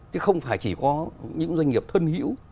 chứ không phải chỉ có những doanh nghiệp thân hữu